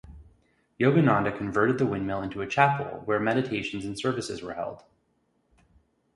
Yogananda converted the windmill into a chapel were meditations and services were held.